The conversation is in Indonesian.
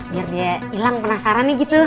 biar dia ilang penasaran gitu